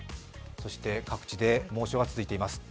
そして各地で猛暑が続いています。